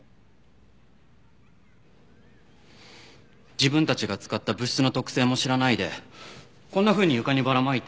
自分たちが使った物質の特性も知らないでこんなふうに床にばらまいて。